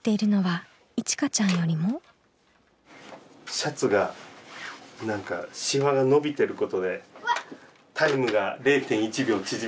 シャツが何かシワが伸びてることでタイムが０．１秒縮めば。